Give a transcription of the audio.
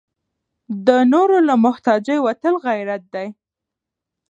د نورو له محتاجۍ وتل غیرت دی.